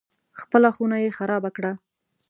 خپله خونه یې خرابه کړه.